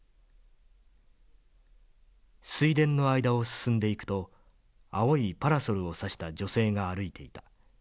水田の間を進んでいくと青いパラソルを差した女性が歩いていた。